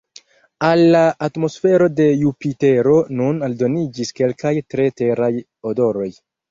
Al la atmosfero de Jupitero nun aldoniĝis kelkaj tre Teraj odoroj.